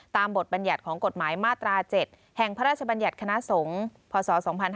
บทบัญญัติของกฎหมายมาตรา๗แห่งพระราชบัญญัติคณะสงฆ์พศ๒๕๕๙